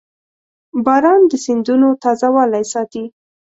• باران د سیندونو تازهوالی ساتي.